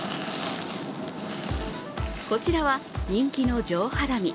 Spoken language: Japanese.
こちらは人気の上ハラミ。